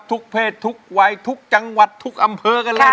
ทุกเพศทุกวัยทุกจังหวัดทุกอำเภอกันเลยทีเดียวนะครับ